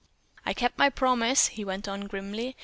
"I kept my promise," he went on grimly.